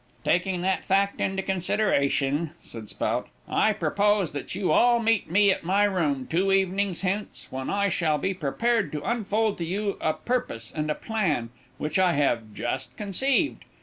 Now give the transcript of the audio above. "Taking that fact into consideration," said Spout, "I propose, that you all meet me at my room, two evenings hence, when I shall be prepared to unfold to you a purpose and a plan, which I have just conceived.